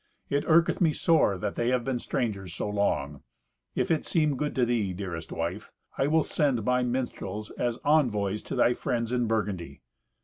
It irketh me sore that they have been strangers so long. If it seem good to thee, dearest wife, I will send my minstrels as envoys to thy friends in Burgundy."